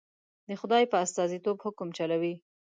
د خدای په استازیتوب حکم چلوي.